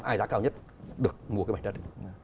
ai giá cao nhất được mua cái mảnh đất